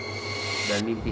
itu yang dokter mengatakan